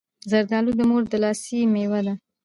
زردالو د مور د لاستی مېوه ده.